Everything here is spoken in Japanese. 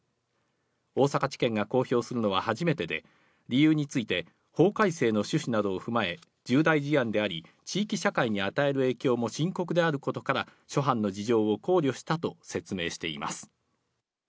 大阪地検が公表するのは初めてで、理由について法改正の趣旨などを踏まえ、重大事案であり、地域社会に与える影響も深刻であることから、諸般の事情を考慮したと説明しています。